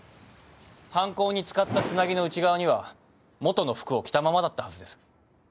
犯行に使ったツナギの内側には元の服を着たままだったはずです。